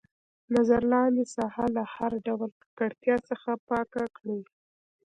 نظر لاندې ساحه له هر ډول ککړتیا څخه پاکه کړئ.